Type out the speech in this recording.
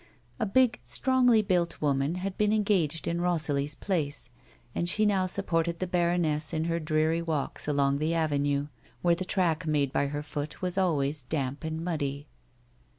A big, strongly built woman had been engaged in Rosalie's place, and she now supported the baroness in her dreary walks along the avenue, where the track made by her foot was always damp and muddy.